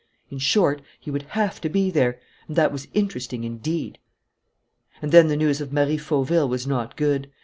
In short, he would have to be there; and that was interesting indeed! And then the news of Marie Fauville was not good.